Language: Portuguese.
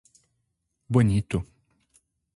Bonito